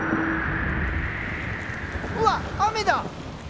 うわっ雨だ。